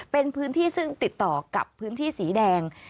เป็นพื้นที่ซึ่งติดต่อกับพื้นที่สีแดง